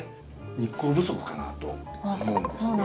日光不足かなと思うんですね。